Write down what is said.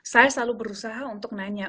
saya selalu berusaha untuk nanya